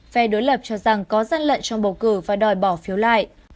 phe đối lập cho rằng có gian lận trong bầu cử và đòi bỏ phiếu lại